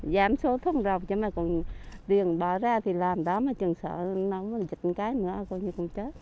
giảm số thông rộng nhưng mà còn tiền bỏ ra thì làm đó mà chẳng sợ nóng và dịch một cái nữa coi như không chết